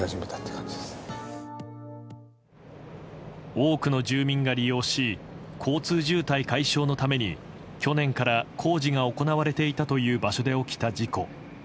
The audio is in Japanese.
多くの住民が利用し交通渋滞解消のために去年から工事が行われていたという場所で起きた事故。